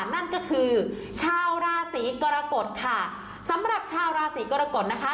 นั่นก็คือชาวราศีกรกฎค่ะสำหรับชาวราศีกรกฎนะคะ